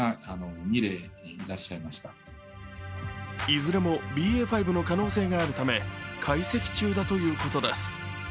いずれもＢＡ．５の可能性があるため解析中だということです。